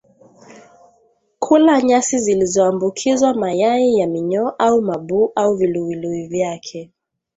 Kula nyasi zilizoambukizwa mayai ya minyoo au mabuu au viluwiluwi vyake